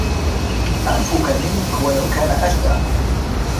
أنفك منك ولو كان أجدع